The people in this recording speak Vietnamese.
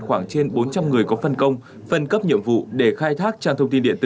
khoảng trên bốn trăm linh người có phân công phân cấp nhiệm vụ để khai thác trang thông tin điện tử